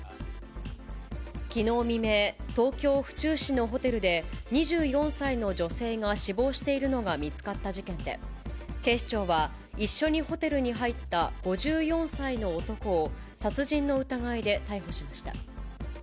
きのう未明、東京・府中市のホテルで、２４歳の女性が死亡しているのが見つかった事件で、警視庁は一緒にホテルに入った５４歳の男を殺人の疑いで逮捕しました。